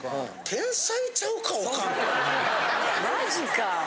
マジか。